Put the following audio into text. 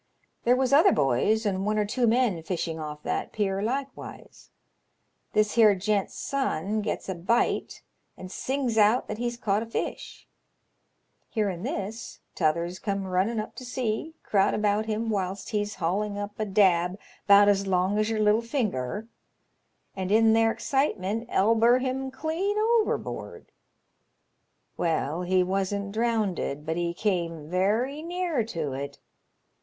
" There was other boys and one or two men fishing off that pier likewise. This here gent's son gets a bite, and sings out that he's caught a fish. Hearin' this, t'others come running up to see, crowd about him whilst he's hauling up a dab ^LONQSHOBICMAN 8 YABN& 151 nbont as long as yer little finger, and in their excitement elber him clean overboard. Well, he wasn't drownded, bnt he came very near to it.